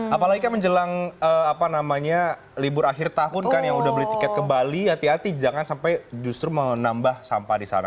apalagi kan menjelang libur akhir tahun kan yang udah beli tiket ke bali hati hati jangan sampai justru menambah sampah di sana